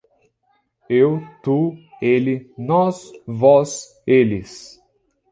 Eu, tu, ele, nós, vós, eles